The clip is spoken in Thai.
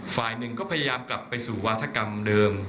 ฝ่ายหนึ่งก็พยายามกลับไปสู่วาธกรรมเดิม